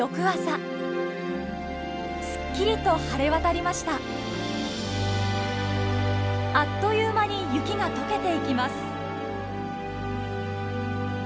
あっという間に雪が解けていきます。